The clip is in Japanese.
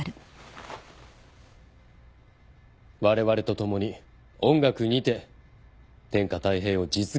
われわれと共に音楽にて天下泰平を実現いたしましょう。